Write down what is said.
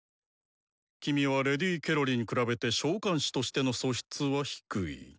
キミはＬ・ケロリに比べて召喚士としての素質は低い。